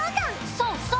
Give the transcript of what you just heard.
そうそう！